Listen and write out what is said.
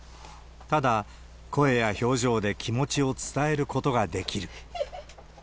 ただ、声や表情で気持ちを伝えることができる。